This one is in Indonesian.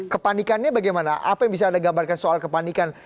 kepanikannya bagaimana apa yang bisa anda gambarkan soal kepanikan